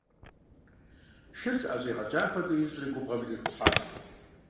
Шыр зыӀэщӀигъэкӀа хуэдэу ищӀри губгъуэм ириутӀыпщхьащ.